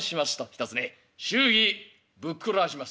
「ひとつね祝儀ぶっくらわします」。